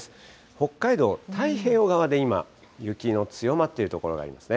北海道、太平洋側で今、雪の強まっている所がありますね。